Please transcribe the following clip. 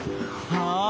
はあ